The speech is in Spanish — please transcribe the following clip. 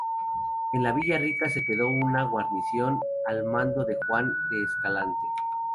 En la Villa Rica se quedó una guarnición al mando de Juan de Escalante.